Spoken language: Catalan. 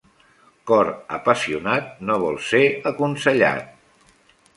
Cor apassionat no vol ser aconsellat.